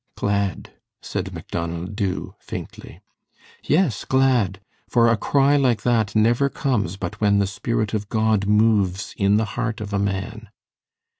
"Glad!" said Macdonald Dubh, faintly. "Yes, glad. For a cry like that never comes but when the Spirit of God moves in the heart of a man."